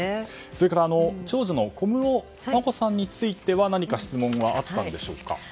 それから長女の小室眞子さんについては何か質問があったんでしょうか。